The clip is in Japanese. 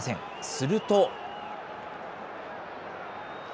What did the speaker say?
すると。